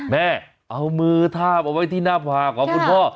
แม่เอามือทาบเอาไว้ที่หน้าผากของคุณพ่อ